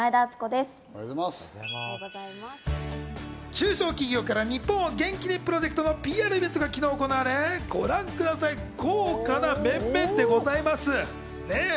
中小企業からニッポンを元気にプロジェクトのＰＲイベントが昨日行われ、ご覧ください、豪華な面々でございます。